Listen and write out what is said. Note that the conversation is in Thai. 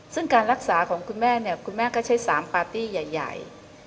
ซึ่งการรักษาของคุณแม่เนี่ยคุณแม่ก็ใช้๓ปาร์ตี้ใหญ่